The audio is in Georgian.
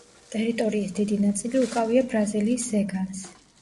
ტერიტორიის დიდი ნაწილი უკავია ბრაზილიის ზეგანს.